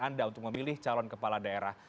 anda untuk memilih calon kepala daerah